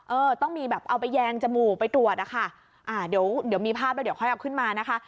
เออต้องมีแบบเอาไปแยงจมูกไปตรวจอะค่ะอ่าเดี๋ยวเดี๋ยวมีภาพแล้วเดี๋ยวค่อยเอาขึ้นมานะคะ